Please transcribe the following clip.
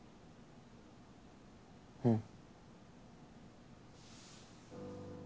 うん。